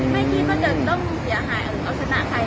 ไม่งิ่งจะต้องเสียหายอาสนะใคร